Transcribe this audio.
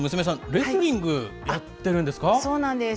レスリングをやってるんですか？